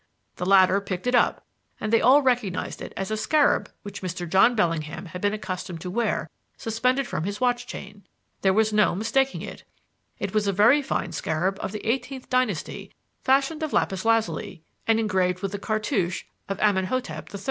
"The latter picked it up, and they all recognized it as a scarab which Mr. John Bellingham had been accustomed to wear suspended from his watch chain. There was no mistaking it. It was a very fine scarab of the eighteenth dynasty fashioned of lapis lazuli and engraved with the cartouche of Amenhotep III.